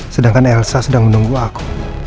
sedangkan elsa sedang menunggu aku